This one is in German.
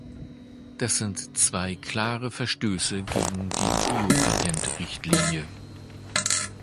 Das sind zwei klare Verstöße gegen die Bio-Patentrichtlinie!